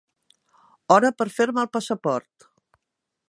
Hora per fer-me el passaport.